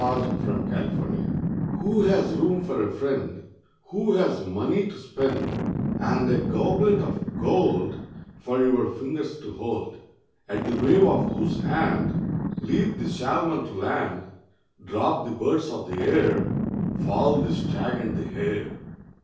A FRIEND IN NEED Who has room for a friend Who has money to spend, And a goblet of gold For your fingers to hold, At the wave of whose hand Leap the salmon to land, Drop the birds of the air, Fall the stag and the hare.